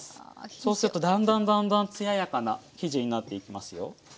そうするとだんだん艶やかな生地になっていきますよ。